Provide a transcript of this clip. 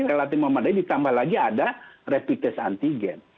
relatif memadai ditambah lagi ada rapid test antigen